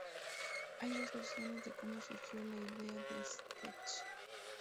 Hay dos versiones de como surgió la idea del sketch.